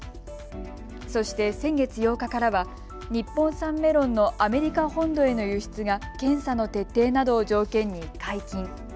そして先月８日からは日本産メロンのアメリカ本土への輸出が検査の徹底などを条件に解禁。